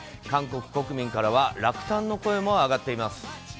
韓国国民からは落胆の声も上がっています。